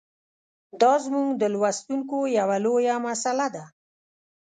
دا زموږ د لوستونکو یوه لویه مساله ده.